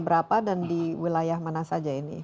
berapa dan di wilayah mana saja ini